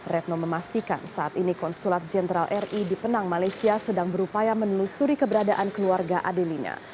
retno memastikan saat ini konsulat jenderal ri di penang malaysia sedang berupaya menelusuri keberadaan keluarga adelina